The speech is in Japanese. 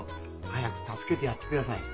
早く助けてやってください。